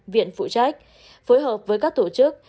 viện phụ trách phối hợp với các tổ chức